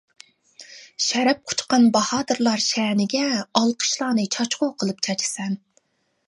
شەرەپ قۇچقان باھادىرلار شەنىگە، ئالقىشلارنى چاچقۇ قىلىپ چاچىسەن.